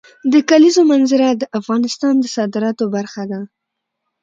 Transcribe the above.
د کلیزو منظره د افغانستان د صادراتو برخه ده.